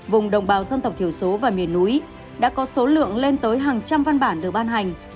vùng đồng bào dân tộc thiểu số và miền núi đã có số lượng lên tới hàng trăm văn bản được ban hành